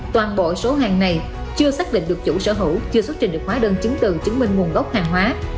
toàn bộ số hàng này chưa xác định được chủ sở hữu chưa xuất trình được hóa đơn chứng từ chứng minh nguồn gốc hàng hóa